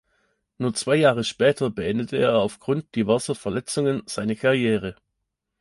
Nur zwei Jahre später beendete er aufgrund diverser Verletzungen seine Karriere.